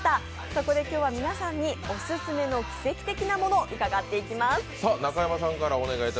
そこで今日は皆さんにオススメの奇跡的なものを伺っていきます。